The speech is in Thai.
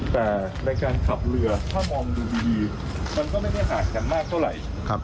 แต่ในการขับเรือถ้ามองดูดีมันก็ไม่ได้ห่างกันมากเท่าไหร่นะครับ